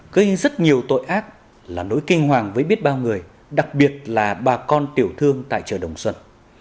gây rất nhiều tội ác là nỗi kinh hoàng với biết bao người đặc biệt là bà con tiểu thương tại chợ đồng xuân